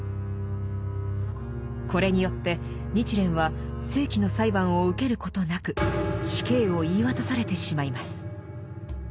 これによって日蓮は正規の裁判を受けることなく死刑を言い渡されてしまいます。